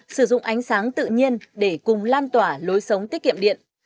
sử dụng ánh sáng tự nhiên để cùng lan tỏa lối sống tiết kiệm điện